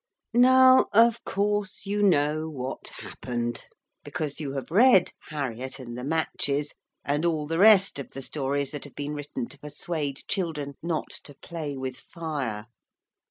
Now, of course, you know what happened, because you have read Harriett and the Matches, and all the rest of the stories that have been written to persuade children not to play with fire.